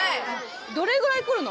どれぐらい来るの？